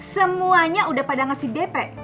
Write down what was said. semuanya udah pada ngasih dp